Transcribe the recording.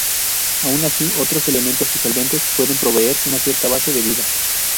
Aun así, otros elementos y solventes pueden proveer una cierta base de vida.